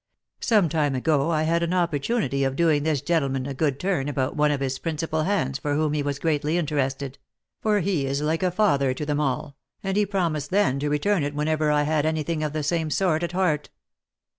Sometime ago I had an opportunity of doing this gentleman a good turn about one of his principal hands for whom he was greatly interested — for he is like a father to them all, and he promised then to return it whenever I had any thing of the same sort at heart.